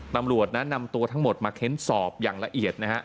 ตำรวจนั้นนำตัวทั้งหมดมาเค้นสอบอย่างละเอียดนะฮะ